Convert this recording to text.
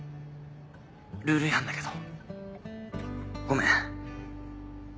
ルール違反だけどごめん。